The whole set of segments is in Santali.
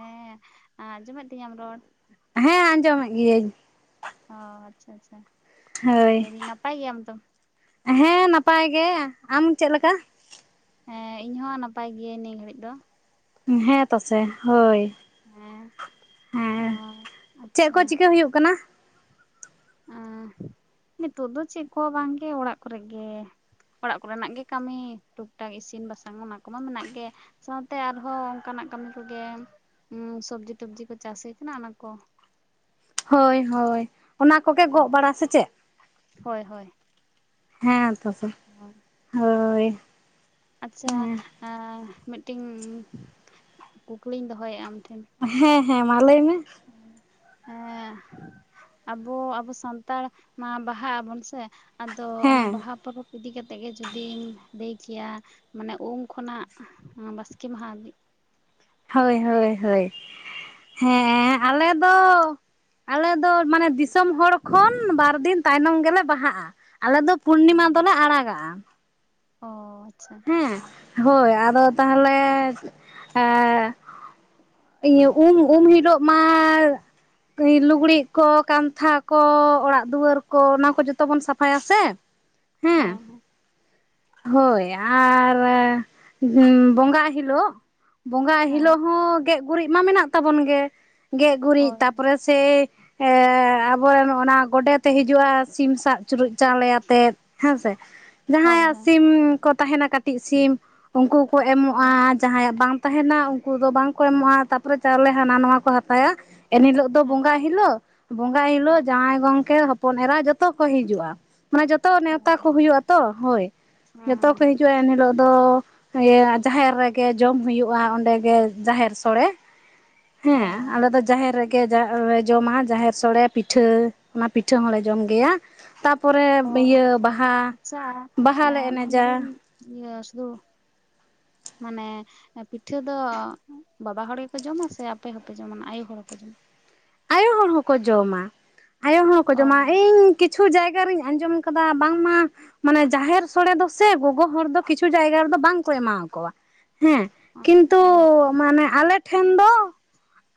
ᱦᱮᱸ ᱟᱡᱚᱢᱮᱫ ᱛᱤᱧᱟᱢ ᱨᱚᱲ? ᱦᱮᱸ ᱟᱸᱡᱚᱢᱮᱫ ᱜᱤᱭᱟᱹᱧ ᱚ ᱟᱪᱪᱷᱟ ᱟᱪᱪᱷᱟ ᱦᱳᱭ ᱞᱟᱹᱭᱫᱟᱹᱧ ᱱᱟᱯᱟᱭ ᱜᱮᱭᱟᱢ ᱛᱚ ᱦᱮᱸ ᱱᱟᱯᱟᱭ ᱜᱮ ᱾ ᱟᱢ ᱪᱮᱫ ᱞᱮᱠᱟ? ᱦᱮᱸ ᱤᱧ ᱦᱚ ᱱᱟᱯᱟᱭ ᱜᱮᱤᱭᱟᱹᱧ ᱱᱤᱭᱟᱹ ᱜᱷᱟᱹᱲᱤᱡ ᱫᱚ ᱦᱮᱸ ᱛᱚ ᱥᱮ ᱦᱳᱭ ᱦᱮᱸ ᱚ ᱦᱮᱸ ᱪᱮᱫ ᱟᱪᱪᱷᱟ ᱠᱚ ᱪᱤᱠᱟᱹ ᱦᱩᱭᱩᱜ ᱠᱟᱱᱟ ᱦᱮ ᱱᱤᱛᱚᱜ ᱫᱚ ᱪᱮᱫ ᱠᱚ ᱵᱟᱝᱜᱮ ᱚᱲᱟᱜ ᱠᱚᱨᱮ ᱜᱮ ᱚᱲᱟᱜ ᱠᱚᱨᱮᱱᱟᱜ ᱜᱮ ᱠᱟᱹᱢᱤ ᱴᱩᱠ ᱴᱟᱠ ᱤᱥᱤᱱ ᱵᱟᱥᱟᱝ ᱚᱱᱟ ᱠᱚᱢᱟ ᱢᱮᱱᱟᱜ ᱜᱮ ᱥᱟᱶᱛᱮ ᱟᱨᱦᱚᱸ ᱚᱱᱠᱟᱱᱟᱜ ᱠᱟᱹᱢᱤ ᱠᱚᱜᱮ ᱥᱚᱵᱽᱡᱤ ᱴᱚᱵᱡᱤ ᱠᱚ ᱪᱟᱥ ᱠᱟᱱᱟ ᱚᱱᱟᱠᱚ ᱦᱳᱭ ᱦᱳᱭ ᱚᱱᱟ ᱠᱚᱜᱮ ᱜᱚᱜ ᱵᱟᱲᱟ ᱥᱮ ᱪᱮᱫ ᱦᱳᱭ ᱦᱳᱭ ᱦᱮᱸ ᱛᱟᱥᱮ [inaudible] ᱦᱳᱭ ᱟᱪᱪᱷᱟ ᱦᱮᱸ ᱢᱤᱫᱴᱮᱱ ᱠᱩᱠᱞᱤᱧ ᱫᱚᱦᱚᱭᱮᱫᱼᱟ ᱟᱢ ᱴᱷᱮᱱ ᱦᱮᱸ ᱦᱮᱸ ᱢᱟ ᱞᱟᱹᱭ ᱢᱮ [unintelligible] ᱟᱵᱚ ᱟᱵᱚ ᱥᱟᱱᱛᱟᱲ ᱵᱟᱦᱟᱜ ᱟᱵᱚᱱ ᱥᱮ ᱟᱫᱚ ᱚᱱᱟ ᱦᱮᱸ ᱵᱟᱦᱟ ᱯᱚᱨᱚᱵᱽ ᱤᱫᱤ ᱠᱟᱛᱮᱫ ᱜᱮ ᱡᱩᱫᱤᱢ ᱞᱟᱹᱭ ᱠᱮᱭᱟ ᱢᱟᱱᱮ ᱩᱢ ᱠᱷᱚᱱᱟᱜ ᱵᱟᱥᱠᱮ ᱢᱟᱦᱟ ᱦᱳᱭ ᱦᱳᱭ ᱦᱳᱭ ᱦᱮᱸ ᱟᱞᱮ ᱫᱚ ᱟᱞᱮ ᱫᱚ ᱢᱟᱱᱮ ᱫᱤᱥᱚᱢ ᱦᱚᱲ ᱠᱷᱚᱱ ᱵᱟᱨ ᱫᱤᱱ ᱛᱟᱭᱱᱚᱢ ᱜᱮᱞᱮ ᱵᱟᱦᱟᱜᱼᱟ ᱟᱞᱮ ᱫᱚ ᱯᱩᱱᱱᱤᱢᱟ ᱫᱚᱞᱮ ᱟᱲᱟᱜᱟᱜᱼᱟ ᱚ ᱟᱪᱪᱷᱟ ᱦᱮᱸ ᱦᱳᱭ ᱟᱫᱚ ᱛᱟᱦᱚᱞᱮ ᱮ ᱤᱭᱟᱹ ᱩᱢ ᱩᱢ ᱦᱤᱞᱳᱜ ᱢᱟ ᱞᱩᱜᱽᱲᱤᱡ ᱠᱚ ᱠᱟᱱᱛᱷᱟ ᱠᱚ ᱚᱲᱟᱜ ᱫᱩᱣᱟᱹᱨ ᱠᱚ ᱚᱱᱟ ᱠᱚ ᱡᱚᱛᱚ ᱵᱚᱱ ᱥᱟᱯᱷᱟᱭᱟ ᱥᱮ ᱦᱮᱸ ᱦᱮᱸ ᱦᱳᱭ ᱟᱨ ᱵᱚᱸᱜᱟᱜ ᱦᱤᱞᱳᱜ ᱵᱚᱸᱜᱟ ᱦᱮᱸ ᱦᱤᱞᱳᱜ ᱦᱚᱸ ᱜᱮᱡ ᱜᱩᱨᱤᱡ ᱢᱟ ᱢᱮᱱᱟᱜ ᱛᱟᱵᱚᱱ ᱜᱮ ᱜᱮᱡ ᱜᱩᱨᱤᱡ ᱦᱳᱭ ᱛᱟᱯᱚᱨᱮ ᱥᱮ ᱟᱵᱚᱨᱮᱱ ᱚᱱᱟ ᱜᱚᱰᱮᱛᱮ ᱦᱤᱡᱩᱜᱼᱟ ᱥᱤᱢ ᱥᱟᱵ ᱪᱩᱨᱩᱡ ᱪᱟᱣᱞᱮ ᱟᱛᱮᱜ ᱦᱮᱸ ᱥᱮ ᱦᱳᱭ ᱡᱟᱦᱟᱸᱭᱟᱜ ᱦᱳᱭ ᱥᱤᱢ ᱠᱚ ᱛᱟᱦᱮᱱᱟ ᱠᱟᱹᱴᱤᱡ ᱥᱤᱢ ᱩᱱᱠᱩ ᱠᱚ ᱦᱳᱭ ᱮᱢᱚᱜᱼᱟ ᱡᱟᱦᱟᱸᱟᱸᱭᱟᱜ ᱵᱟᱝ ᱛᱟᱦᱮᱱᱟ ᱩᱱᱠᱩ ᱫᱚ ᱵᱟᱝ ᱠᱚ ᱮᱢᱚᱜᱼᱟ ᱛᱟᱨᱯᱚᱨᱮ ᱪᱟᱣᱞᱮ ᱦᱟᱱᱟ ᱱᱚᱣᱟ ᱠᱚ ᱦᱟᱛᱟᱭᱟ ᱮᱱ ᱦᱤᱞᱳᱜ ᱫᱚ ᱦᱮᱸ ᱵᱚᱸᱜᱟᱭ ᱦᱤᱞᱳ ᱵᱚᱸᱜᱜᱟ ᱦᱤᱞᱚᱜ ᱦᱮᱸ ᱡᱟᱶᱟᱭ ᱜᱚᱝᱠᱮ ᱦᱚᱯᱚᱱ ᱮᱨᱟ ᱡᱚᱛᱚ ᱠᱚ ᱦᱤᱡᱩᱜᱼᱟ ᱢᱟᱱᱮ ᱡᱚᱛᱚ ᱱᱮᱣᱛᱟ ᱚ ᱠᱚ ᱦᱩᱭᱩᱜᱼᱟ ᱛᱚ ᱦᱳᱭ ᱡᱚᱛᱚ ᱦᱮᱸ ᱮᱱ ᱦᱤᱞᱳᱜ ᱫᱚ ᱤᱭᱟᱹ ᱡᱟᱦᱮᱨ ᱨᱮᱜᱮ ᱡᱚᱢ ᱦᱩᱭᱩᱜᱼᱟ ᱚᱸᱰᱮᱜᱮ ᱡᱟᱦᱮᱨ ᱥᱳᱲᱮ ᱚ ᱦᱮᱸ ᱟᱞᱮ ᱫᱚ ᱡᱟᱦᱮᱨ ᱨᱮᱜᱮ ᱡ ᱞᱮ ᱡᱚᱢᱟ ᱡᱟᱦᱮᱨ ᱥᱳᱲᱮ ᱯᱤᱴᱷᱟᱹ ᱚᱱᱟ ᱯᱤᱴᱷᱟᱹ ᱦᱚᱸᱞᱮ ᱡᱚᱢ ᱜᱮᱭᱟ᱾ ᱛᱟᱯᱚᱨᱮ ᱚ ᱤᱭᱟᱹ ᱵᱟᱦᱟ ᱟᱪᱪᱷᱟ ᱵᱟᱦᱟᱞ ᱞᱮ ᱮᱱᱮᱡᱟ ᱢᱮᱱᱫᱟᱹᱧ ᱤᱭᱟᱹ ᱥᱩᱫᱷᱩ ᱢᱟᱱᱮ ᱯᱤᱴᱷᱟᱹ ᱫᱚ ᱵᱟᱵᱟ ᱦᱚᱲ ᱜᱮᱠᱚ ᱡᱚᱢᱟ ᱥᱮ ᱟᱯᱮ ᱦᱚᱸᱯᱮ ᱡᱚᱢᱟ ᱟᱭᱳ ᱦᱚᱲ ᱦᱚᱸᱠᱚ ᱡᱚᱢᱟ ᱟᱭᱳ ᱦᱚᱲ ᱦᱚᱸᱠᱚ ᱡᱚᱢᱟ ᱟᱭᱳ ᱦᱚᱲ ᱦᱚᱸᱠᱚ ᱚ ᱡᱚᱢᱟ ᱤᱧ ᱠᱤᱪᱷᱩ ᱡᱟᱭᱜᱟ ᱨᱤᱧ ᱟᱸᱡᱚᱢ ᱟᱠᱟᱫᱟ ᱵᱟᱝᱢᱟ ᱢᱟᱱᱮ ᱡᱟᱦᱮᱨ ᱥᱳᱚᱲᱮ ᱫᱚ ᱥᱮ ᱜᱚᱜᱚ ᱦᱚᱲ ᱫᱚ ᱠᱤᱪᱷᱩ ᱡᱟᱭᱜᱟ ᱨᱮᱫᱚ ᱵᱟᱝᱠᱚ ᱮᱢᱟᱠᱚᱣᱟ᱾ ᱦᱮᱸ ᱚ ᱠᱤᱱᱛᱩ ᱢᱟᱱᱮ ᱟᱞᱮ ᱴᱷᱮᱱ ᱫᱚ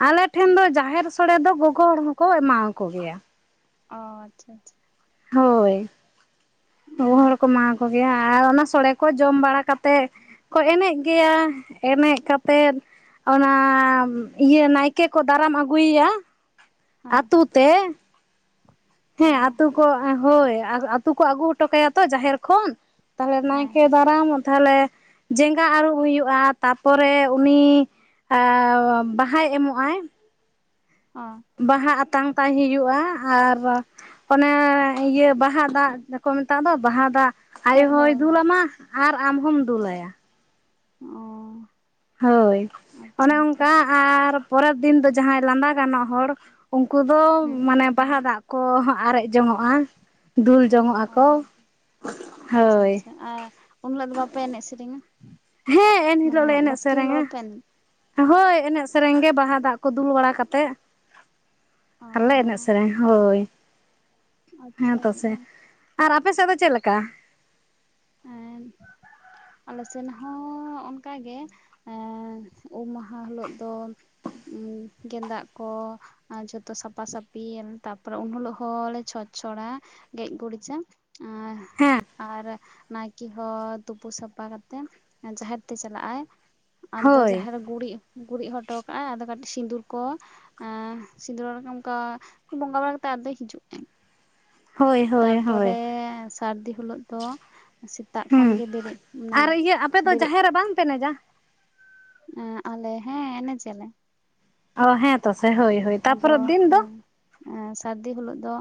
ᱟᱞᱮ ᱴᱷᱮᱱ ᱫᱚ ᱡᱟᱦᱮᱨ ᱥᱳᱲᱮ ᱫᱚ ᱜᱚᱜᱚ ᱦᱚᱲ ᱦᱚᱸᱠᱚ ᱮᱢᱟᱣᱟ ᱠᱚ ᱜᱮᱭᱟ᱾ ᱚᱻ ᱟᱪᱪᱷᱟ ᱟᱪᱪᱷᱟ ᱦᱳᱭ‌ ᱜᱚᱜᱚ ᱦᱚᱲ ᱦᱚᱠᱚ ᱮᱢᱟ ᱠᱚ ᱜᱮᱭᱟ ᱟᱨ ᱚᱱᱟ ᱥᱳᱲᱮ ᱠᱚ ᱡᱚᱢ ᱵᱟᱲᱟ ᱠᱟᱛᱮᱫ ᱠᱚ ᱮᱱᱮᱡ ᱜᱮᱭᱟ ᱮᱱᱮᱡ ᱠᱟᱛᱮᱫ ᱚᱱᱟ ᱤᱭᱟᱹ ᱱᱟᱭᱠᱮ ᱠᱚ ᱫᱟᱨᱟᱢ ᱟᱹᱜᱩᱭᱮᱭᱟ ᱦᱮᱸ ᱟᱛᱩ ᱛᱮ ᱚ ᱦᱮᱸ ᱟᱹᱛᱩ ᱠᱚ ᱦᱳᱭ ᱟᱹᱛᱩ ᱠᱚ ᱟᱹᱜᱩ ᱦᱚᱴᱚ ᱠᱟᱭᱟ ᱛᱚ ᱡᱟᱦᱮᱨ ᱠᱷᱚᱱ ᱛᱟᱦᱞᱮ ᱦᱮᱸ ᱱᱟᱭᱠᱮ ᱫᱟᱨᱟᱢᱚᱜ ᱛᱟᱦᱞᱮ ᱡᱟᱸᱜᱟ ᱟᱹᱨᱩᱵ ᱦᱩᱭᱩᱜᱼᱟ ᱛᱟᱨᱯᱚᱨᱮ ᱩᱱᱤ ᱵᱟᱦᱟᱭ ᱮᱢᱚᱜ ᱟᱭ ᱦᱸ ᱵᱟᱦᱟ ᱟᱛᱟᱝ ᱛᱟᱭ ᱦᱩᱭᱩᱜᱼᱟ ᱟᱨ ᱚᱱᱟ ᱤᱭᱟᱹ ᱵᱟᱦᱟ ᱫᱟᱜᱠᱚ ᱢᱮᱛᱟᱜ ᱫᱚ ᱵᱟᱦᱟ ᱫᱟᱜ ᱟᱭᱳ ᱦᱳᱭ ᱦᱚᱸᱭ ᱦᱳᱭ ᱦᱳᱭ ᱫᱩᱞᱟᱢᱟ ᱟᱨ ᱟᱢ ᱦᱚᱢ ᱫᱩᱞᱟᱭᱟ᱾ ᱚ ᱦᱳᱭ ᱟᱪᱪᱷᱟ ᱚᱱᱮ ᱟᱪᱪᱷᱟ ᱚᱱᱠᱟ ᱟᱨ ᱯᱚᱨᱮᱨ ᱫᱤᱱ ᱫᱚ ᱡᱟᱦᱟᱸᱭ ᱞᱟᱸᱫᱟ ᱜᱟᱱᱚᱜ ᱦᱚᱲ ᱩᱱᱠᱩ ᱫᱚ ᱦᱮᱸ ᱢᱟᱱᱮ ᱵᱟᱦᱟ ᱫᱟᱜ ᱠᱚᱦᱚᱸ ᱟᱨᱮᱡ ᱡᱚᱝᱚᱜᱼᱟ᱾ ᱫᱩᱞ ᱡᱚᱝᱚᱜ ᱚ ᱟᱠᱚ ᱟᱪᱪᱷᱟ ᱦᱳᱭ ᱟᱪᱪᱷᱟ ᱟᱨ ᱩᱱ‌ ᱦᱤᱞᱚᱜ ᱫᱚ ᱵᱟᱯᱮ ᱮᱱᱮᱡ ᱥᱮᱨᱮᱧᱟ ᱦᱮᱸ ᱮᱱᱦᱤᱞᱳᱜ ᱢᱟᱱᱮ ᱞᱮ ᱮᱱᱮᱡ ᱵᱟᱥᱠᱮ ᱦᱤᱞᱳᱜ ᱥᱮᱨᱮᱧᱟ ᱵᱟᱯᱮ ᱮᱱᱮᱡ ᱦᱳᱭ ᱮᱱᱮᱡ ᱥᱮᱨᱮᱧ ᱜᱮ ᱵᱟᱦᱟ ᱫᱟᱜ ᱠᱚ ᱫᱩᱞ ᱵᱟᱲᱟ ᱠᱟᱛᱮᱫ ᱚ ᱟᱞᱮ ᱮᱱᱮᱡ ᱥᱮᱨᱮᱧ ᱦᱳᱭ ᱟᱪᱪᱷᱟ ᱦᱮᱸ ᱛᱚ ᱥᱮ ᱟᱪᱪᱷᱟ ᱟᱨ ᱟᱯᱮ ᱥᱮᱫ ᱫᱚ ᱪᱮᱫ ᱞᱮᱠᱟ ᱮ ᱟᱞᱮ ᱥᱮᱱ ᱦᱚᱸ ᱚᱱᱠᱟᱜᱮ ᱮ ᱩᱢ ᱢᱟᱦᱟ ᱦᱤᱞᱳᱜ ᱫᱚ ᱜᱮᱸᱫᱟᱜ ᱠᱚ ᱡᱷᱚᱛᱚ ᱥᱟᱯᱟ ᱥᱟᱯᱤ ᱛᱟᱯᱚᱨᱮ ᱩᱱ ᱦᱤᱞᱚᱜ ᱦᱚᱸᱞᱮ ᱪᱷᱚᱸᱪ ᱪᱷᱚᱲᱟ ᱜᱮᱡ ᱜᱩᱨᱤᱡᱟ ᱟᱨ ᱦᱮᱸ ᱟᱨ ᱱᱟᱭᱠᱮ ᱦᱚᱸ ᱛᱩᱯᱩ ᱥᱟᱯᱟ ᱠᱟᱛᱮᱜ ᱡᱟᱦᱮᱨ ᱛᱮ ᱪᱟᱞᱟᱜ ᱟᱭ ᱟᱫᱚ ᱦᱳᱭ ᱡᱟᱦᱮᱨ ᱜᱩᱨᱤᱡ ᱜᱩᱨᱤᱡ ᱦᱚᱴᱚ ᱠᱟᱜᱼᱟ ᱟᱫᱚ ᱠᱟᱴᱤᱡ ᱥᱤᱸᱫᱩᱨ ᱠᱚ ᱥᱤᱸᱫᱟᱹᱲᱟ ᱚᱱᱠᱟ ᱵᱚᱸᱜᱟ ᱵᱟᱲᱟ ᱠᱟᱛᱮᱜ ᱟᱫᱚᱭ ᱦᱤᱡᱩᱜᱼᱟ ᱦᱳᱭ ᱦᱳᱭ ᱛᱟᱨᱯᱚᱨᱮ ᱦᱳᱭ ᱥᱟᱨᱫᱤ ᱦᱳᱞᱳᱜ ᱫᱚ ᱥᱮᱛᱟᱜ ᱠᱷᱚᱱ ᱦᱩᱸ ᱜᱮ ᱵᱮᱨᱮᱫ ᱢᱟᱱᱮ ᱟᱨ ᱤᱭᱟᱹ ᱟᱯᱮᱫᱚ ᱵᱮᱨᱮᱫ ᱡᱟᱦᱮᱨ ᱨᱮ ᱵᱟᱝ ᱯᱮᱱᱮᱡᱟ ᱟᱞᱮ ᱦᱮᱸ ᱮᱱᱮᱡ ᱟᱞᱮ ᱚ ᱦᱮᱸ ᱛᱚ ᱥᱮ ᱦᱳᱭ ᱦᱳᱭ ᱛᱟᱨᱯᱚᱨᱮ ᱫᱤᱱ ᱫᱚ ᱮ ᱥᱟᱹᱨᱫᱤ ᱦᱳᱞᱳᱜ ᱫᱚ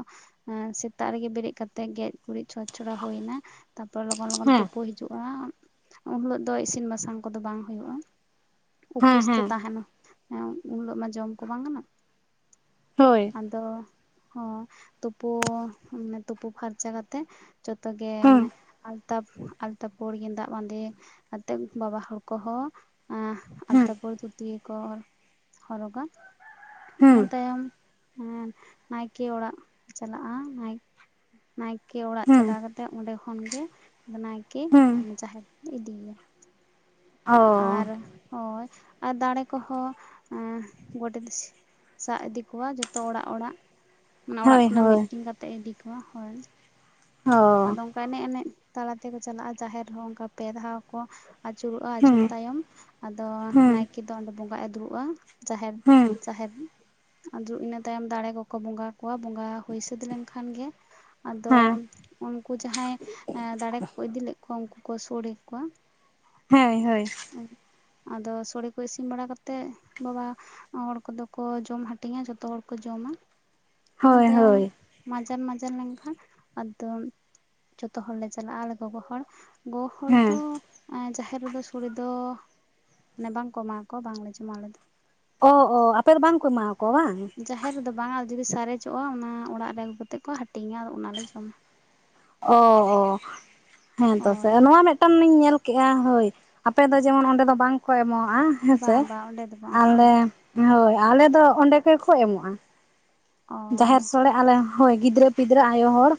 ᱮ ᱥᱮᱛᱟᱜ ᱨᱮᱜᱮ ᱵᱮᱨᱮᱫ ᱠᱟᱛᱮᱜ ᱜᱮᱡ ᱜᱩᱨᱤᱡ ᱪᱷᱚᱸᱡ ᱪᱷᱚᱲᱟ ᱦᱳᱭ ᱮᱱᱟ ᱛᱟᱨᱯᱚᱨᱮ ᱞᱚᱜᱚᱱ ᱞᱚᱜᱚᱱ ᱦᱮᱸ ᱛᱳᱯᱳ ᱦᱤᱡᱩᱜᱼᱟ᱾ ᱩᱱ ᱦᱳᱞᱳᱜ ᱫᱚ ᱤᱥᱤᱱ ᱵᱟᱥᱟᱝ ᱠᱚᱫᱚ ᱵᱟᱝ ᱦᱳᱭᱳᱜᱼᱟ ᱩᱯᱟᱹᱥ ᱦᱮᱸ ᱛᱮ ᱦᱮᱸ ᱛᱟᱦᱮᱱᱟ ᱦᱮᱸ ᱩᱱ ᱦᱳᱞᱳᱜ ᱢᱟ ᱡᱚᱢ ᱠᱚ ᱵᱟᱝ ᱜᱟᱱᱚᱜ-ᱟ᱾ ᱦᱳᱭ ᱟᱫᱚ ᱦᱚᱸ ᱛᱳᱯᱳ ᱢᱟᱱᱮ ᱛᱳᱯᱳ ᱯᱷᱟᱨᱪᱟ ᱠᱟᱛᱮ᱾ ᱡᱚᱛᱚ ᱜᱮ ᱢᱟᱱᱮ ᱦᱩᱸ ᱛᱟ ᱟᱞᱛᱟᱯᱟᱹᱲ ᱜᱮᱸᱫᱟᱜ ᱵᱟᱸᱫᱮ ᱟᱛᱮᱫ ᱵᱟᱵᱟ ᱦᱚᱲ ᱠᱚᱦᱚᱸ ᱦᱩᱸ ᱟᱞᱛᱟᱯᱟᱹᱲ ᱫᱷᱩᱛᱤ ᱠᱚ ᱦᱚᱨᱚᱜᱟ ᱤᱱᱟᱹ ᱦᱩᱸ ᱛᱟᱭᱚᱢ ᱮᱸ ᱱᱟᱭᱠᱮ ᱚᱲᱟᱜ ᱪᱟᱞᱟᱜᱼᱟ ᱱᱟᱭ ᱱᱟᱭᱠᱮ ᱚᱲᱟᱜ ᱦᱩᱸ ᱪᱟᱞᱟᱣ ᱠᱟᱛᱮᱜ ᱚᱸᱰᱮ ᱠᱷᱚᱱ ᱜᱮ ᱱᱟᱭᱠᱮ ᱦᱩᱸ ᱡᱟᱦᱮᱨ ᱤᱫᱤᱭᱮᱭᱟ ᱚ ᱟᱨ ᱦᱳᱭ ᱟᱨ ᱫᱟᱸᱲᱮ ᱠᱚᱦᱚᱸ ᱜᱚᱰᱮᱛ ᱥᱟᱵ ᱤᱫᱤ ᱠᱚᱣᱟ ᱡᱚᱛᱚ ᱚᱲᱟᱜ ᱚᱲᱟᱜ ᱢᱟᱱᱮ ᱚᱲᱟᱜ ᱦᱳᱭ ᱠᱷᱚᱱᱟᱜ ᱦᱳᱭ ᱢᱤᱫᱴᱤᱝ ᱠᱟᱛᱮᱫ ᱤᱫᱤ ᱠᱚᱣᱟ ᱦᱚᱭ ᱦᱚ ᱮᱱᱮᱡ ᱮᱱᱮᱡ ᱛᱟᱞᱟ ᱛᱮᱠᱚ ᱪᱟᱞᱟᱜᱼᱟ ᱡᱟᱦᱮᱨ ᱨᱮᱦᱚᱸ ᱚᱱᱠᱟ ᱯᱮ ᱫᱷᱟᱣ ᱠᱚ ᱟᱹᱪᱩᱨᱚᱜᱼᱟ ᱟᱹᱪᱩᱨ ᱦᱩᱸ ᱛᱟᱭᱚᱢ ᱟᱫᱚ ᱦᱩᱸ ᱱᱟᱭᱠᱮ ᱫᱚ ᱚᱸᱰᱮ ᱵᱚᱸᱜᱟᱜ ᱮ ᱫᱩᱲᱩᱵᱟ᱾ ᱡᱟᱦᱮᱫ ᱦᱩᱸ ᱡᱟᱦᱮᱫ ᱟᱫᱚ ᱤᱱᱟᱹ ᱛᱟᱭᱚᱢ ᱫᱟᱸᱲᱮ ᱠᱚᱠᱚ ᱵᱚᱸᱜᱟ ᱠᱚᱣᱟ ᱵᱚᱸᱜᱟ ᱦᱩᱭ ᱥᱟᱹᱛ ᱞᱮᱱᱠᱷᱟᱱ ᱜᱮ ᱟᱫᱚ᱾ ᱦᱮᱸ ᱩᱱᱠᱩ ᱡᱟᱦᱟᱸᱭ ᱫᱟᱸᱲᱮ ᱠᱚ ᱤᱫᱤ ᱞᱮᱫ ᱠᱚᱣᱟ ᱩᱱᱠᱩ ᱠᱚ ᱥᱳᱲᱮ ᱠᱚᱣᱟ ᱦᱳᱭ ᱦᱳᱭ ᱟᱫᱚ ᱥᱚᱲᱮ ᱠᱚ ᱤᱥᱤᱱ ᱵᱟᱲᱟ ᱠᱟᱛᱮᱫ ᱵᱟᱵᱟ ᱦᱚᱲ ᱠᱚᱫᱚ ᱠᱚ ᱡᱚᱢ ᱦᱟᱹᱴᱤᱧᱟ ᱡᱚᱛᱚ ᱦᱚᱲ ᱠᱚ ᱡᱚᱢᱟ᱾ ᱤᱱᱟᱹ ᱦᱳᱭ ᱛᱟᱭᱚᱢ ᱦᱳᱭ ᱢᱟᱸᱡᱟᱱ ᱢᱟᱸᱡᱟᱱ ᱞᱮᱱᱠᱷᱟᱱ ᱟᱫᱚ ᱡᱚᱛᱚ ᱦᱚᱲ ᱞᱮ ᱪᱟᱞᱟᱜ-ᱟ ᱟᱞᱮ ᱜᱚᱜᱚ ᱦᱚᱲ ᱜᱚᱜᱚ ᱦᱚᱲ ᱫᱚ ᱦᱮᱸ ᱡᱟᱦᱮᱨ ᱨᱮᱫᱚ ᱥᱳᱲᱮ ᱫᱚ ᱢᱟᱱᱮ ᱵᱟᱝᱠᱚ ᱮᱢᱟ ᱠᱚᱣᱟ ᱵᱟᱝᱞᱮ ᱡᱚᱢᱟ ᱟᱞᱮ ᱫᱚ ᱚ ᱚ ᱟᱯᱮ ᱫᱚ ᱵᱟᱝᱠᱚ ᱮᱢᱟᱣᱟᱠᱚᱣᱟ ᱵᱟᱝ ᱡᱟᱦᱮᱨ ᱨᱮᱫᱚ ᱵᱟᱝᱟ ᱡᱩᱫᱤ ᱥᱟᱨᱮᱡᱚᱜᱼᱟ ᱚᱱᱟ ᱚᱲᱟᱜ ᱨᱮ ᱟᱹᱜᱩ ᱠᱟᱛᱮᱫ ᱠᱚ ᱦᱟᱹᱴᱤᱧᱟ ᱟᱫᱚ ᱚᱱᱟᱞᱮ ᱡᱚᱢᱟ᱾ ᱚ ᱚ ᱦᱮᱸ ᱛᱚ ᱥᱮ ᱦᱳᱭ ᱱᱚᱣᱟ ᱢᱮᱫ ᱴᱟᱱ ᱤᱧ ᱧᱮᱞ ᱠᱮᱜᱼᱟ ᱦᱳᱭ ᱟᱯᱮ ᱫᱚ ᱡᱮᱢᱚᱱ ᱚᱸᱰᱮ ᱫᱚ ᱵᱟᱝ ᱠᱚ ᱮᱢᱚᱜᱼᱟ᱾ ᱦᱮᱸᱥᱮ ᱵᱟᱝ ᱵᱟᱝ ᱚᱸᱰᱮ ᱫᱚ ᱵᱟᱝ ᱦᱚᱸᱜᱼᱚ ᱟᱞᱮ ᱦᱳᱭ ᱟᱞᱮ ᱫᱚ ᱚᱸᱰᱮ ᱜᱮᱠᱚ ᱮᱢᱚᱜᱼᱟ᱾ ᱡᱟᱦᱮᱨ ᱚ ᱥᱳᱲᱮ ᱟᱞᱮ ᱦᱳᱭ ᱜᱤᱫᱽᱨᱟᱹ ᱯᱤᱫᱽᱨᱟᱹ ᱟᱭᱳ ᱦᱚᱲ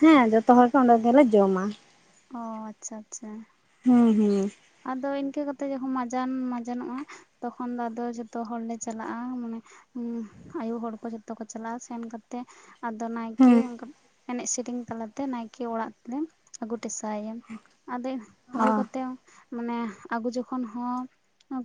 ᱦᱮᱸ ᱡᱚᱛᱚ ᱦᱚᱲ ᱜᱮ ᱚᱸᱰᱮ ᱜᱮᱞᱮ ᱡᱚᱢᱟ᱾ ᱚᱻ ᱟᱪᱪᱷᱟ ᱟᱪᱪᱷᱟ ᱦᱩᱸ ᱦᱩᱸ ᱟᱫᱚ ᱤᱱᱠᱟᱹ ᱠᱟᱛᱮᱜ ᱡᱚᱠᱷᱚᱱ ᱢᱟᱡᱟᱱ ᱢᱟᱡᱟᱱᱚᱜᱼᱟ ᱛᱚᱠᱷᱚᱱ ᱫᱚ ᱟᱫᱚ ᱡᱷᱚᱛᱚ ᱦᱚᱲᱞᱮ ᱪᱟᱞᱟᱜᱼᱟ ᱢᱟᱱᱮ ᱟᱭᱩ ᱦᱚᱲ ᱠᱚ ᱡᱷᱚᱛᱚ ᱠᱚ ᱪᱟᱞᱟᱜᱼᱟ ᱥᱮᱱ ᱠᱟᱛᱮᱜ ᱟᱫᱚ ᱱᱟᱭᱠᱮ ᱦᱩᱸ ᱮᱱᱮᱡ ᱥᱮᱨᱮᱧ ᱛᱟᱞᱟᱛᱮ ᱱᱟᱭᱠᱮ ᱚᱲᱟᱜ ᱛᱮᱞᱮ ᱟᱹᱜᱩ ᱴᱮᱥᱟᱭᱟ ᱟᱫᱮ ᱟᱹᱜᱩ ᱚ ᱠᱟᱛᱮᱜ ᱢᱟᱱᱮ ᱟᱹᱜᱩ ᱡᱚᱠᱷᱚᱱ ᱦᱚᱸ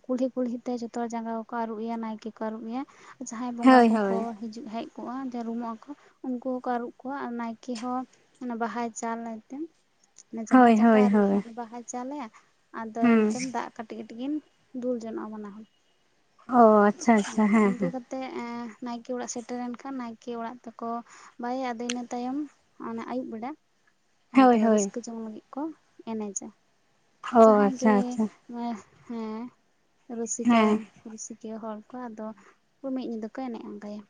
ᱠᱩᱞᱦᱤ ᱠᱩᱞᱦᱤᱛᱮ ᱡᱷᱚᱛᱚ ᱦᱚᱲ ᱡᱟᱸᱜᱟ ᱠᱚᱠᱚ ᱟᱨᱩᱵ ᱮᱭᱟ ᱱᱟᱭᱠᱮ ᱠᱚ ᱟᱨᱩᱵ ᱮᱭᱟ ᱡᱟᱸᱦᱟᱸᱭ ᱵᱚᱸᱜᱟ ᱦᱳᱭ ᱠᱚᱠᱚ ᱦᱳᱭ ᱦᱤᱡᱩᱜ ᱦᱮᱡ ᱠᱚᱜᱼᱟ ᱡᱟᱹᱨᱩᱢᱚᱜᱼᱟ ᱠᱚ ᱩᱱᱠᱩ ᱦᱚᱸᱠᱚ ᱟᱹᱨᱩᱵ ᱠᱚᱜᱣᱟ ᱟᱨ ᱱᱟᱭᱠᱮ ᱦᱚᱸ ᱚᱱᱟ ᱵᱟᱦᱟᱭ ᱪᱟᱞ ᱟᱭᱛᱮ ᱦᱳᱭ ᱡᱟᱦᱟᱸᱭ ᱡᱟᱸᱜᱟ ᱦᱳᱭ ᱟᱨᱩᱵ ᱦᱳᱭ ᱵᱟᱦᱟᱭ ᱪᱟᱞᱮᱭᱟ ᱟᱫᱚ ᱦᱩᱸ ᱱᱤᱛᱳ ᱮᱢ ᱫᱟᱜ ᱠᱟᱹᱴᱤᱡ ᱠᱟᱹᱴᱤᱡ ᱠᱤᱱ ᱫᱩᱞ ᱡᱚᱱᱚᱜᱼᱟ ᱵᱟᱱᱟ ᱦᱚᱲ ᱚ ᱟᱪᱪᱷᱟ ᱦᱮᱸ ᱤᱱᱠᱟᱹ ᱠᱟᱛᱮᱜ ᱱᱟᱭᱠᱮ ᱚᱲᱟᱜ ᱥᱮᱴᱮᱨᱮᱱ ᱠᱷᱟᱱ ᱱᱟᱭᱠᱮ ᱚᱲᱟᱜ ᱛᱮᱠᱚ ᱵᱟᱭᱮᱭᱟ ᱟᱫᱚ ᱤᱱᱟᱹ ᱛᱟᱭᱚᱢ ᱟᱹᱭᱩᱵ ᱵᱮᱲᱟ ᱦᱳᱭ ᱟᱫᱚ ᱦᱳᱭ ᱨᱟᱹᱥᱠᱟᱹ ᱡᱚᱝ ᱞᱟᱹᱜᱤᱫ ᱠᱚ ᱮᱱᱮᱡᱟ ᱚ ᱡᱟᱸᱦᱟᱸᱭ ᱟᱪᱪᱷᱟ ᱜᱮ ᱟᱪᱪᱷᱟ ᱦᱮᱸ ᱦᱮᱸ ᱨᱩᱥᱤᱠᱟ ᱦᱮᱸ ᱨᱩᱥᱤ ᱠᱤᱭᱟᱹ ᱦᱚᱲ ᱠᱚ ᱟᱫᱚ ᱢᱤᱫ ᱧᱤᱫᱟᱹ ᱠᱚ ᱮᱱᱮᱡ ᱟᱸᱜᱟᱭᱟ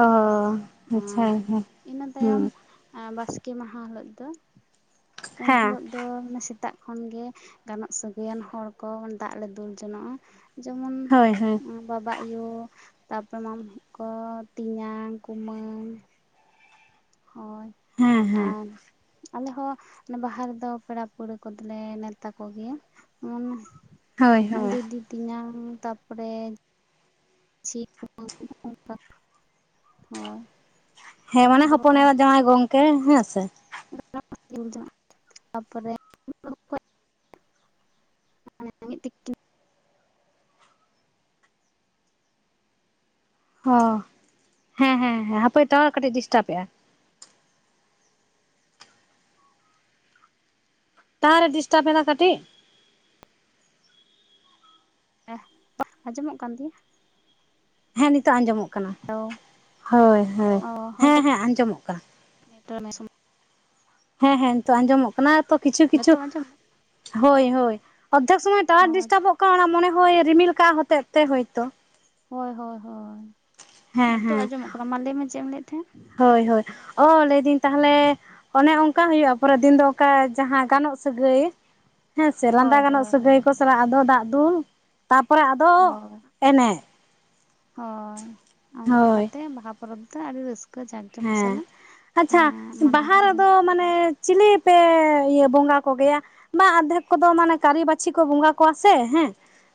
ᱚ ᱟᱪᱪᱷᱟ ᱦᱮᱸ ᱤᱱᱟᱹ ᱛᱟᱭᱚᱢ ᱵᱟᱥᱠᱮ ᱢᱟᱦᱟ ᱦᱤᱞᱳᱜ ᱫᱚ ᱩᱱ ᱦᱮᱸ ᱦᱤᱞᱳᱜ ᱫᱚ ᱥᱮᱛᱟᱜ ᱠᱷᱚᱱ ᱜᱮ ᱜᱟᱱᱚᱜ ᱥᱟᱹᱜᱟᱹᱭᱟᱱ ᱦᱚᱲ ᱠᱚ ᱫᱟᱜ ᱞᱮ ᱫᱩᱞ ᱡᱚᱱᱚᱜᱼᱟ ᱡᱮᱢᱚᱱ [unintelligible] ᱵᱟᱵᱟ-ᱟᱭᱳ ᱛᱟᱯᱚᱨᱮ ᱢᱟᱢᱟᱭᱩ ᱠᱚ ᱛᱮᱧᱟᱝ ᱠᱩᱢᱟᱹᱝ ᱦᱳᱭ ᱦᱮᱸ ᱦᱮᱸ ᱟᱨ ᱟᱞᱮ ᱦᱚᱸ ᱵᱟᱦᱟ ᱨᱮᱫᱚ ᱯᱮᱲᱟ ᱯᱟᱹᱲᱦᱟᱹ ᱠᱚᱫᱚᱞᱮ ᱱᱮᱶᱛᱟ ᱠᱚᱜᱮᱭᱟ ᱦᱳᱭ ᱚᱱᱟ ᱦᱳᱭ ᱫᱤᱫᱤ ᱛᱮᱧᱟᱝ ᱛᱟᱯᱚᱨᱮ [unintelligible] ᱦᱮᱸ ᱢᱟᱱᱮ ᱟᱫᱚ ᱦᱚᱯᱚᱱ ᱮᱨᱟ ᱡᱟᱶᱟᱭ ᱜᱚᱝᱠᱮ ᱦᱮᱸ ᱥᱮ ᱟᱯᱚᱨᱮ [inaudible] [unintelligible] ᱚ ᱦᱮᱸ ᱦᱮᱸ ᱦᱮᱸ ᱦᱟᱯᱮ ᱴᱟᱣᱟᱨ ᱠᱟᱹᱴᱤᱡ ᱰᱤᱥᱴᱟᱵᱮᱜ-ᱟ ᱴᱟᱣᱟᱨ ᱮ ᱰᱤᱥᱴᱟᱵ ᱮᱫᱟ ᱠᱟᱹᱴᱤᱡ ᱦᱮᱸ ᱟᱸᱡᱚᱢᱚᱜ ᱠᱟᱱ ᱛᱤᱧᱟᱹ ᱦᱮᱸ ᱱᱤᱛᱚᱜ ᱟᱸᱡᱚᱢᱚᱜ ᱠᱟᱱᱟ ᱦᱮᱞᱳ ᱦᱚᱭ ᱦᱚᱭ ᱚ ᱦᱳᱭ ᱦᱮᱸ ᱛᱚ ᱦᱮᱸ ᱟᱸᱡᱚᱢᱚᱜ ᱠᱟᱱᱟ [unintelligible] ᱦᱮᱸ ᱦᱮᱸ ᱱᱤᱛᱚᱜ ᱟᱸᱡᱚᱢᱚᱜ ᱠᱟᱱᱟ ᱛᱚ ᱠᱤᱪᱷᱩ ᱠᱤᱪᱷᱩ ᱟᱸᱡᱚᱢ ᱫᱟ? ᱦᱳᱭ ᱦᱳᱭ ᱚᱨᱫᱷᱮᱠ ᱥᱚᱢᱚᱭ ᱚ ᱴᱟᱶᱟᱨ ᱰᱤᱥᱴᱟᱵᱚᱜ ᱠᱟᱱᱟ ᱚᱱᱟ ᱢᱚᱱᱮ ᱦᱚᱭ ᱨᱤᱢᱤᱞ ᱠᱟᱜᱼᱟ ᱦᱚᱛᱮᱡ ᱛᱮ ᱦᱳᱭᱛᱚ ᱦᱳᱭ ᱦᱳᱭ ᱦᱳᱭ ᱦᱮᱸ ᱱᱤᱛᱚᱜ ᱦᱮᱸ ᱟᱸᱡᱚᱢᱚᱜ ᱠᱟᱱᱟ ᱢᱟ ᱞᱟᱹᱭ ᱢᱮ ᱪᱮᱫ ᱮᱢ ᱞᱟᱹᱭᱮᱫ ᱛᱟᱦᱮᱸᱫ ᱦᱳᱭ ᱦᱳᱭ ᱚ ᱞᱟᱹᱭ ᱫᱟᱹᱧ ᱛᱟᱦᱚᱞᱮ ᱚᱱᱮ ᱚᱱᱠᱟ ᱦᱩᱭᱩᱜᱼᱟ ᱯᱚᱨᱮ ᱫᱤᱱ ᱫᱚ ᱚᱱᱠᱟ ᱡᱟᱸᱦᱟᱸ ᱜᱟᱱᱚᱜ ᱥᱟᱹᱜᱟᱹᱭ ᱦᱮᱸ ᱥᱮ ᱞᱟᱸᱫᱟ ᱦᱳᱭ ᱜᱟᱱᱚᱜ ᱦᱳᱭ ᱦᱳᱭ ᱥᱟᱹᱜᱟᱹᱭ ᱠᱚ ᱥᱟᱞᱟᱜ ᱟᱫᱚ ᱫᱟᱜ ᱫᱩᱞ ᱛᱟᱯᱚᱨᱮ ᱟᱫᱚ [unintelligible] ᱮᱱᱮᱡ ᱦᱳᱭ ᱚᱱᱠᱟ ᱦᱳᱭ ᱠᱟᱛᱮ ᱵᱟᱦᱟ ᱯᱚᱨᱚᱵᱽ ᱫᱚ ᱟᱹᱰᱤ ᱨᱟᱹᱥᱠᱟᱹ ᱡᱟᱸᱠ ᱡᱚᱢᱚᱠ ᱦᱮᱸ ᱥᱟᱞᱟᱜ ᱟᱪᱪᱷᱟ ᱢᱟᱱᱟᱣ ᱵᱟᱦᱟ ᱦᱩᱭᱩᱜᱼᱟ ᱨᱮᱫᱚ ᱢᱟᱱᱮ ᱪᱤᱞᱤ ᱯᱮ ᱤᱭᱟᱹ ᱵᱚᱸᱜᱟ ᱠᱚᱜᱮᱭᱟ ᱵᱟ ᱟᱫᱷᱮᱠ ᱠᱚᱫᱚ ᱢᱟᱱᱮ ᱠᱟᱹᱨᱤ ᱵᱟᱹᱪᱷᱤ ᱠᱚ ᱵᱚᱸᱜᱟ ᱠᱚᱣᱟ ᱥᱮ ᱦᱮᱸ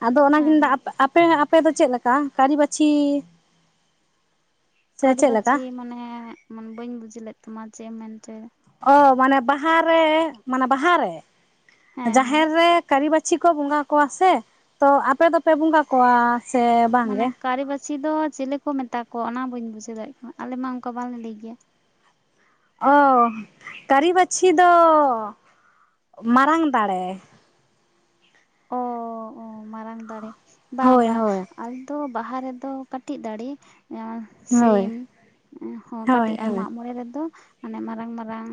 ᱟᱫᱚ ᱚᱱᱟᱜᱮᱧ ᱦᱮᱸ ᱢᱮᱱᱫᱟ ᱦᱮᱸ ᱟᱯᱮ ᱟᱯᱮ ᱫᱚ ᱪᱮᱫ ᱞᱮᱠᱟ ᱠᱟᱹᱨᱤᱵᱟᱹᱪᱷᱤ ᱠᱟᱹᱨᱤ ᱞᱮᱠᱟ ᱵᱟᱹᱪᱤ ᱢᱟᱱᱮ ᱵᱟᱹᱧ ᱵᱩᱡ ᱞᱮᱫ ᱛᱟᱢᱟ ᱪᱮᱫ ᱮᱢ ᱢᱮᱱ ᱦᱚᱪᱚᱭ ᱚ ᱢᱟᱱᱮ ᱵᱟᱦᱟᱨ ᱨᱮ ᱢᱟᱱᱮ ᱵᱟᱦᱟᱨ ᱨᱮ ᱦᱮᱸ ᱦᱮᱸ ᱡᱟᱦᱮᱨ ᱨᱮ ᱠᱟᱹᱨᱤ ᱵᱟᱹᱪᱷᱤ ᱠᱚ ᱵᱚᱸᱜᱟ ᱠᱚᱣᱟ ᱥᱮ ᱛᱚ ᱟᱯᱮ ᱫᱚᱯᱮ ᱵᱚᱸᱜᱟ ᱠᱚᱣᱟ ᱥᱮ ᱵᱟᱝ ᱜᱮ ᱠᱟᱹᱨᱤᱵᱟᱹᱪᱷᱤ ᱫᱚ ᱪᱮᱞᱮ ᱠᱚ ᱢᱮᱛᱟ ᱠᱚᱣᱟ ᱚᱱᱟ ᱵᱟᱹᱧ ᱵᱩᱡᱷᱟᱹᱣ ᱫᱟᱲᱮᱜ ᱠᱟᱱᱟ ᱟᱞᱮ ᱢᱟ ᱚᱱᱠᱟ ᱵᱟᱞᱮ ᱞᱟᱹᱭ ᱜᱮᱭᱟ ᱚ ᱠᱟᱹᱨᱤᱵᱟᱹᱪᱷᱤ ᱫᱚ ᱢᱟᱨᱟᱝ ᱫᱟᱲᱮ ᱚ ᱢᱟᱨᱟᱝ ᱫᱟᱲᱮ ᱵᱟᱝ ᱦᱳᱭ ᱵᱟᱝ ᱦᱳᱭ ᱟᱞᱮ ᱫᱚ ᱵᱟᱦᱟ ᱨᱮᱫᱚ ᱠᱟᱹᱴᱤᱡ ᱫᱟᱲᱮ ᱥᱤᱢ ᱦᱳᱭ ᱦᱚᱸ ᱦᱳᱭ ᱠᱟᱹᱴᱤᱡᱼᱟ ᱦᱳᱭ ᱢᱟᱸᱜ ᱢᱚᱬᱮ ᱨᱮᱫᱚ ᱢᱟᱱᱮ ᱢᱟᱨᱟᱝ ᱢᱟᱨᱟᱝ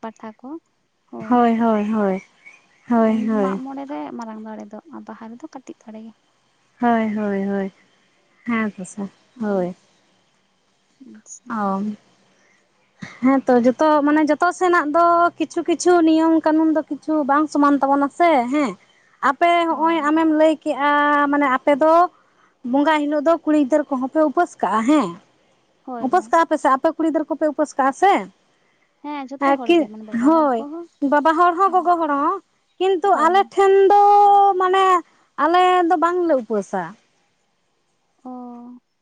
ᱯᱟᱴᱷᱟ ᱠᱚ ᱦᱳᱭ ᱦᱳᱭ ᱦᱳᱭ ᱦᱳᱭ ᱢᱟᱜ ᱦᱳᱭ ᱢᱚᱬᱮ ᱨᱮ ᱢᱟᱨᱟᱝ ᱫᱟᱲᱮ ᱫᱚ ᱟᱨ ᱵᱟᱦᱟ ᱨᱮᱫᱚ ᱠᱟᱹᱴᱤᱡ ᱫᱟᱲᱮ ᱜᱮ ᱦᱳᱭ ᱦᱳᱭ ᱦᱳᱭ ᱦᱮᱸ ᱠᱚᱥᱟ ᱦᱳᱭ [unintelligible] ᱚ ᱦᱮᱸᱛᱚ ᱡᱚᱛᱚ ᱟᱪᱪᱷᱟ ᱢᱟᱱᱮ ᱡᱚᱛᱚ ᱥᱮᱱᱟᱜ ᱫᱚ ᱠᱤᱪᱷᱩ ᱠᱤᱪᱷᱩ ᱱᱤᱭᱚᱢ ᱠᱟᱹᱱᱩᱱ ᱫᱚ ᱠᱤᱪᱷᱩ ᱵᱟᱝ ᱥᱚᱢᱟᱱ ᱛᱟᱵᱚᱱᱟ ᱥᱮ ᱦᱮᱸ ᱟᱯᱮ ᱦᱚᱸᱜ ᱚᱭ ᱦᱳᱭ ᱟᱢᱮᱢ ᱞᱟᱹᱭ ᱠᱮᱫ ᱠᱮᱜᱼᱟ ᱢᱟᱱᱮ ᱟᱯᱮ ᱫᱚ ᱵᱚᱸᱜᱟ ᱦᱤᱞᱳᱜ ᱫᱚ ᱠᱩᱲᱤ ᱜᱤᱫᱟᱹᱨ ᱠᱚᱦᱚᱸ ᱯᱮ ᱩᱯᱟᱹᱥ ᱠᱟᱜᱼᱟ ᱦᱮᱸ ᱦᱳᱭ ᱩᱯᱟᱹᱥ ᱦᱳᱭ ᱠᱟᱜᱼᱟ ᱯᱮ ᱥᱮ ᱟᱯᱮ ᱠᱩᱲᱤ ᱜᱤᱫᱟᱹᱨ ᱠᱚᱯᱮ ᱩᱯᱟᱹᱥ ᱠᱟᱜᱼᱟ ᱥᱮ ᱦᱮᱸ ᱡᱷᱚᱛᱚ ᱦᱚᱲ ᱟᱨᱠᱤ ᱜᱮ ᱢᱟᱱᱮ ᱵᱟᱵᱟ ᱦᱚᱲ ᱦᱳᱭ ᱠᱚᱦᱚᱸ ᱵᱟᱵᱟ ᱦᱚᱲ ᱦᱚᱸ ᱜᱚᱜᱚ ᱦᱚᱲ ᱦᱚᱸ ᱠᱤᱱᱛᱩ ᱦᱳᱭ ᱦᱳᱭ ᱟᱞᱮᱴᱷᱮᱱ ᱫᱚ ᱢᱟᱱᱮ ᱟᱞᱮ ᱫᱚ ᱵᱟᱝᱞᱮ ᱩᱯᱟᱹᱥᱟ ᱚ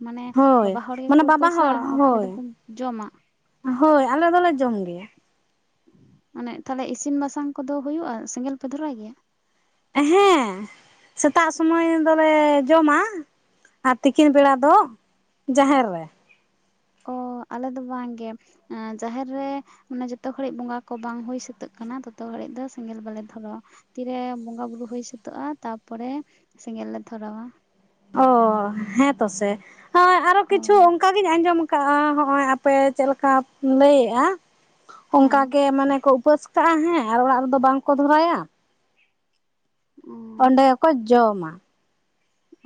ᱢᱟᱱᱮ ᱦᱳᱭ ᱵᱟᱵᱟ ᱦᱚᱲ ᱜᱮᱠᱚ ᱢᱟᱱᱮ ᱵᱟᱵᱟ ᱩᱯᱟᱹᱥᱟ ᱦᱚᱲ ᱟᱯᱮ ᱦᱳᱭ ᱫᱚᱯᱮ ᱡᱚᱢᱟ ᱦᱳᱭ ᱟᱞᱮ ᱫᱚᱞᱮ ᱡᱚᱢ ᱜᱮᱭᱟ ᱢᱟᱱᱮ ᱛᱟᱦᱚᱞᱮ ᱤᱥᱤᱱ ᱵᱟᱥᱟᱝ ᱠᱚᱫᱚ ᱦᱩᱭᱩᱜᱼᱟ ᱥᱮᱸᱜᱮᱞ ᱯᱮ ᱫᱷᱚᱨᱟᱭ ᱜᱮᱭᱟ ᱦᱮᱸ ᱥᱮᱛᱟᱜ ᱥᱚᱢᱚᱭ ᱫᱚᱞᱮ ᱡᱚᱢᱟ ᱟᱨ ᱛᱤᱠᱤᱱ ᱵᱮᱲᱟ ᱫᱚ ᱡᱟᱦᱮᱨ ᱨᱮ ᱚ ᱟᱞᱮ ᱫᱚ ᱵᱟᱝᱜᱮ ᱮᱸ ᱡᱟᱦᱮᱨ ᱨᱮ ᱟᱱᱮ ᱡᱚᱛᱚ ᱜᱷᱟᱹᱲᱤᱡ ᱵᱚᱸᱜᱟ ᱠᱚ ᱵᱟᱝ ᱦᱩᱭ ᱥᱟᱹᱛᱟᱹᱜ ᱠᱟᱱᱟ ᱛᱚᱛᱚ ᱜᱷᱟᱹᱲᱤᱡ ᱫᱚ ᱥᱮᱸᱜᱮᱞ ᱵᱟᱞᱮ ᱫᱷᱚᱨᱟᱣᱟ ᱛᱤᱨᱮ ᱵᱚᱸᱜᱟ ᱵᱩᱨᱩ ᱦᱩᱭ ᱥᱟᱹᱛᱟᱹᱜᱼᱟ ᱛᱟᱯᱚᱨᱮ ᱥᱮᱸᱜᱮᱞ ᱞᱮ ᱫᱷᱚᱨᱟᱣᱟ ᱚ ᱦᱮᱸ ᱛᱚ ᱥᱮ ᱦᱳᱭ ᱟᱨᱚ ᱠᱤᱪᱷᱩ ᱦᱳᱭ ᱚᱱᱠᱟ ᱜᱤᱧ ᱟᱸᱡᱚᱢ ᱠᱟᱜᱼᱟ ᱦᱚᱜᱼᱚᱭ ᱟᱯᱮ ᱪᱮᱫ ᱞᱮᱠᱟᱢ ᱞᱟᱹᱭᱮᱜᱼᱟ ᱦᱮᱸ ᱚᱱᱠᱟᱜᱮ ᱢᱟᱱᱮ ᱠᱚ ᱩᱯᱟᱹᱥ ᱠᱟᱜᱼᱟ ᱦᱮᱸ ᱟᱨ ᱚᱲᱟᱜ ᱨᱮᱫᱚ ᱵᱟᱝᱠᱚ ᱫᱷᱚᱨᱟᱭᱟ ᱚᱸᱰᱮᱠᱚ ᱡᱚᱢᱟ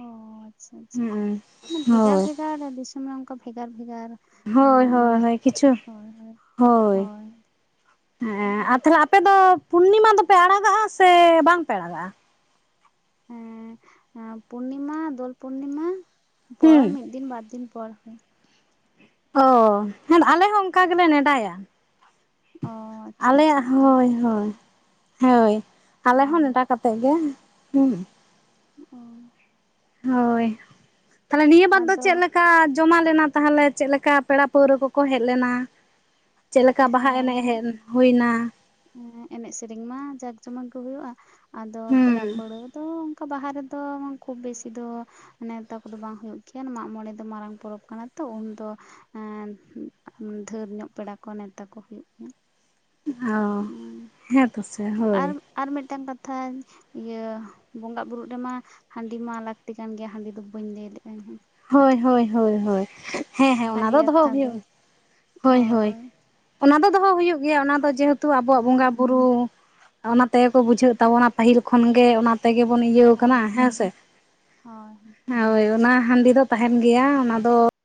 ᱚᱻ ᱟᱪᱪᱷᱟ ᱟᱪᱪᱷᱟ ᱦᱩᱸ ᱢᱟ ᱵᱷᱮᱜᱟᱨ ᱦᱳᱭ ᱵᱷᱮᱜᱟᱨ ᱫᱤᱥᱚᱢ ᱨᱮ ᱚᱱᱠᱟ ᱵᱷᱮᱜᱟᱨ ᱵᱷᱮᱜᱟᱨ ᱦᱳᱭ ᱦᱳᱭ ᱢᱟᱱᱮ ᱦᱳᱭ ᱠᱤᱪᱷᱩ ᱦᱳᱭ ᱦᱳᱭ ᱦᱳᱭ ᱦᱮᱸ ᱟᱨ ᱛᱟᱦᱞᱮ ᱟᱯᱮ ᱫᱚ ᱯᱩᱨᱱᱤᱢᱟ ᱫᱚᱯᱮ ᱟᱲᱟᱜᱟᱜᱼᱟ ᱥᱮ ᱵᱟᱝᱯᱮ ᱟᱲᱟᱜᱟᱜᱼᱟ ᱦᱮᱸ ᱯᱩᱨᱱᱤᱢᱟ ᱫᱳᱞ ᱯᱩᱱᱱᱤᱢᱟ ᱯᱚᱨ ᱦᱩᱸ ᱢᱤᱫ ᱫᱤᱱ ᱵᱟᱨ ᱫᱤᱱ ᱯᱚᱨ ᱚ ᱦᱮᱸ ᱟᱞᱮ ᱦᱚᱸ ᱚᱱᱠᱟ ᱜᱮᱞᱮ ᱱᱮᱰᱟᱭᱟ ᱚ ᱟᱪᱪᱷᱟ ᱟᱪᱪᱷᱟ ᱟᱞᱮᱭᱟᱜ ᱟᱞᱮ ᱦᱳᱭ ᱫᱚ ᱚᱱᱠᱟ ᱦᱳᱭ ᱜᱮ ᱦᱳᱭ ᱟᱞᱮ ᱦᱚᱸ ᱱᱮᱰᱟ ᱠᱟᱛᱮᱫ ᱜᱮ ᱚ ᱦᱳᱭ ᱛᱟᱦᱚᱞᱮ ᱱᱤᱭᱟᱹ ᱵᱟᱨ ᱫᱚ ᱟᱫᱚ ᱪᱮᱫ ᱞᱮᱠᱟ ᱠᱟ ᱡᱚᱢᱟ ᱞᱮᱱᱟ ᱛᱟᱦᱚᱞᱮ ᱪᱮᱫ ᱞᱮᱠᱟ ᱯᱮᱲᱟ ᱯᱟᱹᱣᱨᱟᱹ ᱠᱚᱠᱚ ᱦᱮᱡ ᱞᱮᱱᱟ᱾ ᱪᱮᱜ ᱞᱮᱠᱟ ᱵᱟᱦᱟ ᱮᱱᱮᱡ ᱦᱮᱡ ᱦᱳᱭᱱᱟ᱾ ᱦᱮᱸ ᱮᱱᱮᱡ ᱥᱮᱨᱮᱧ ᱢᱟ ᱡᱟᱸᱠ ᱡᱚᱢᱚᱠ ᱜᱮ ᱦᱩᱭᱩᱜᱼᱟ ᱟᱫᱚ ᱯᱮᱲᱟ ᱦᱩᱸ ᱯᱟᱹᱲᱦᱟᱹ ᱛᱚ ᱚᱱᱠᱟ ᱵᱟᱦᱟ ᱨᱮᱫᱚ ᱠᱷᱩᱵ ᱵᱮᱥᱤ ᱫᱚ ᱱᱮᱶᱛᱟ ᱠᱚᱫᱚ ᱵᱟᱝ ᱦᱩᱭᱩᱜ ᱜᱮᱭᱟ ᱢᱟᱜ ᱢᱚᱬᱮ ᱫᱚ ᱢᱟᱨᱟᱝ ᱯᱚᱨᱚᱵᱽ ᱠᱟᱱᱟ ᱛᱚ ᱩᱱᱫᱚ ᱦᱮᱸ ᱫᱷᱟᱹᱨ ᱧᱚᱜ ᱯᱮᱲᱟ ᱠᱚ ᱱᱮᱶᱛᱟ ᱠᱚ ᱦᱩᱭᱩᱜ ᱠᱟᱱᱟ ᱾ ᱚ ᱦᱮᱸ ᱛᱚ ᱥᱮ ᱟᱨ ᱦᱳᱭ᱾ ᱟᱨ ᱢᱤᱫᱴᱟᱝ ᱠᱟᱛᱷᱟᱧ ᱤᱭᱟᱹ ᱵᱚᱸᱜᱟᱜ ᱵᱩᱨᱩᱜ ᱨᱮᱢᱟ ᱦᱟᱺᱰᱤ ᱢᱟ ᱞᱟᱹᱠᱛᱤ ᱠᱟᱱ ᱜᱮᱭᱟ ᱦᱟᱺᱰᱤ ᱫᱚ ᱵᱟᱹᱧ ᱞᱟᱹᱭ ᱞᱮᱫᱼᱟ ᱤᱧᱦᱚᱸ᱾ ᱦᱳᱭ ᱦᱳᱭ ᱦᱳᱭ ᱦᱮᱸ ᱦᱮᱸ ᱚᱱᱟ ᱦᱟᱺᱰᱤ ᱫᱚ ᱫᱚᱦᱚ ᱠᱟᱛᱷᱟ ᱫᱚ ᱦᱩᱭᱩᱜᱼᱟ ᱦᱳᱭ ᱦᱳᱭ᱾ ᱚᱱᱟ ᱫᱚ ᱫᱚᱦᱚ ᱦᱩᱭᱩᱜ ᱜᱮᱭᱟ ᱚᱱᱟ ᱫᱚ ᱡᱮᱦᱮᱛᱩ ᱟᱵᱚᱣᱟᱜ ᱦᱳᱭ ᱵᱚᱸᱜᱟᱜ ᱵᱩᱨᱩ᱾ ᱚᱱᱟ ᱛᱮᱜᱮ ᱠᱚ ᱵᱩᱡᱷᱟᱹᱜ ᱛᱟᱵᱚᱱᱟ ᱯᱟᱹᱦᱤᱞ ᱠᱷᱚᱱᱜᱮ ᱚᱱᱟ ᱛᱮᱜᱮ ᱵᱚᱱ ᱤᱭᱟᱹᱣ ᱠᱟᱱᱟ ᱦᱳᱭ ᱦᱮᱸᱥᱮ ᱦᱳᱭ ᱦᱮᱸ ᱦᱳᱭ ᱚᱱᱟ ᱦᱟᱺᱰᱤ ᱫᱚ ᱛᱟᱦᱮᱱ ᱜᱮᱭᱟ ᱚᱱᱟ ᱫᱚ